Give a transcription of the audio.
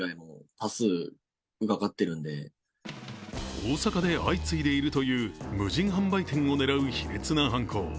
大阪で相次いでいるという無人販売店を狙う卑劣な犯行。